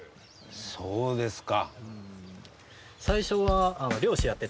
そうですか。